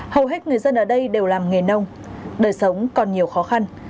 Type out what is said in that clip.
hầu hết người dân ở đây đều làm nghề nông đời sống còn nhiều khó khăn